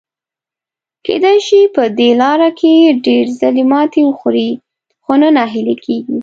کېدای شي په دې لاره کې ډېر ځلي ماتې وخوري، خو نه ناهیلي کیږي.